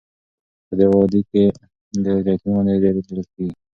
په دې وادۍ کې د زیتونو ونې ډیرې لیدل کیږي.